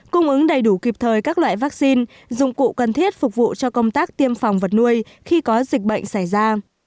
cung ứng đầy đủ kịp thời các loại vaccine dụng cụ cần thiết phục vụ cho công tác tiêm phòng vật nuôi khi có dịch bệnh xảy ra